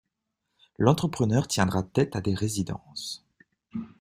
L'entrepreneur tiendra tête à des résidences.